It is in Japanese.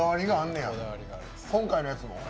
今回のやつも？